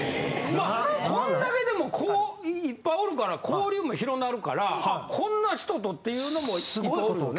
まあこんだけでもいっぱいおるから交流も広なるからこんな人とっていうのもいっぱいおるよね。